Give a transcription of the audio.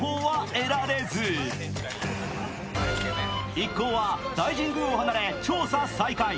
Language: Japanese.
一行は大神宮を離れ調査再開。